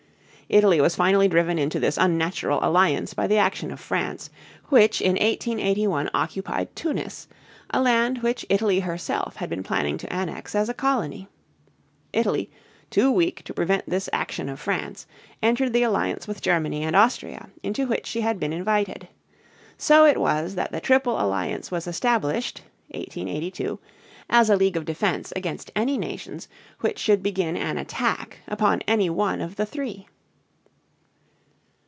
Italy was finally driven into this unnatural alliance by the action of France, which in 1881 occupied Tunis, a land which Italy herself had been planning to annex as a colony. Italy, too weak to prevent this action of France, entered the alliance with Germany and Austria into which she had been invited. So it was that the Triple Alliance was established (1882), as a league of defense against any nations which should begin an attack upon any one of the three.